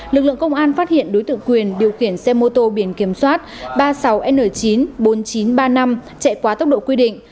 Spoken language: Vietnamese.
lực lượng công an phát hiện đối tượng quyền điều khiển xe mô tô biển kiểm soát ba mươi sáu n chín mươi nghìn chín trăm ba mươi năm chạy quá tốc độ quy định